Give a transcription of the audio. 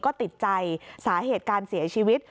ก็ติดใจสาเหตุการเสียชีวิต